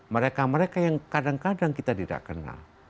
mereka mereka yang kadang kadang kita tidak kenal